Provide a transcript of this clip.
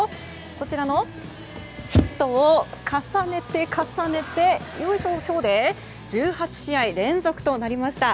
こちらのヒットを重ねて重ねて今日で、１８試合連続となりました。